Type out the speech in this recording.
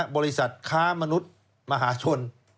บริษัทค้ามนุษย์มหาชน